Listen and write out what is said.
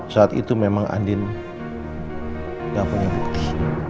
saat itu memang andin gak punya bukti